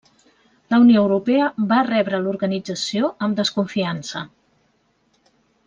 La Unió Europea va rebre l'organització amb desconfiança.